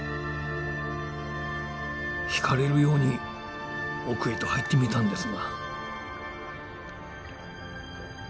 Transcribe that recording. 惹かれるように奥へと入ってみたんですが。